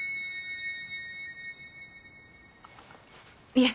いえ。